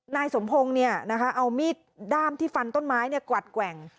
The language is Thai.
นายสมพงศ์เอามีดด้ามที่ฟันต้นไม้กวัดแกว่ง